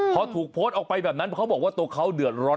พอถูกโพสต์ออกไปแบบนั้นเขาบอกว่าตัวเขาเดือดร้อน